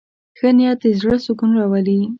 ښه نیت د زړه سکون راولي.